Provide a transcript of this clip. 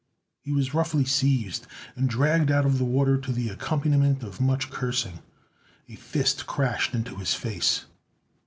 He was roughly seized and dragged out of the water to the accompaniment of much cursing. A fist crashed into his face.